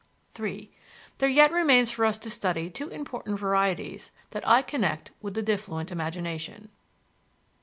III There yet remains for us to study two important varieties that I connect with the diffluent imagination.